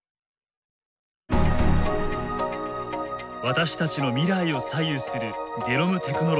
私たちの未来を左右するゲノムテクノロジー。